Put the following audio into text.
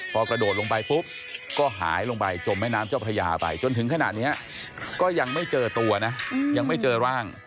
พอกระโดดลงไปปุ๊บก็หายลงไปจมแม่น้ำเจ้าพระยาไปจนถึงขณะนี้ก็ยังไม่เจอตัวนะยังไม่เจอร่าง